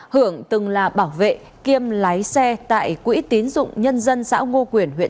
hưởng từng là bảo vệ kiêm lái xe tại quỹ tín dụng nhân dân xã ngo quyền